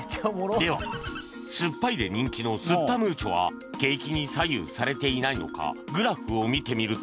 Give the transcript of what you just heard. では酸っぱいで人気のすっぱムーチョは景気に左右されていないのかグラフを見てみると